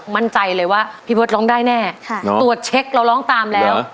มั่นใจเลยว่าพี่เบิร์ตร้องได้แน่ตรวจเช็คเราร้องตามแล้ว